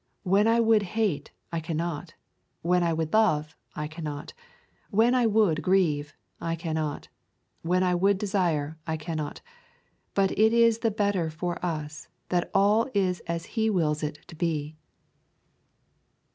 When I would hate, I cannot. When I would love, I cannot. When I would grieve, I cannot. When I would desire, I cannot. But it is the better for us that all is as He wills it to be.'